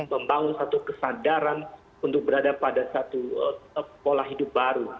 membangun satu kesadaran untuk berada pada satu pola hidup baru